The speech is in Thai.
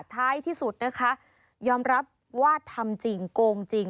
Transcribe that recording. ท้ายที่สุดนะคะยอมรับว่าทำจริงโกงจริง